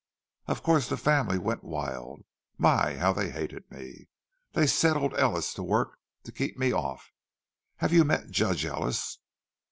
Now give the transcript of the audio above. Of course the family went wild—my, how they hated me! They set old Ellis to work to keep me off—have you met Judge Ellis?"